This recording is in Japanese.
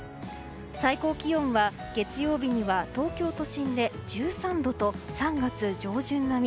最高気温は月曜日には東京都心で１３度と３月上旬並み。